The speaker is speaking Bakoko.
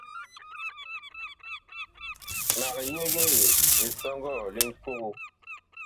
Mag yegee lisɔŋgɔɔ li Ŋkogo.